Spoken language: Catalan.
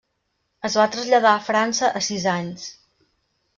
Es va traslladar a França a sis anys.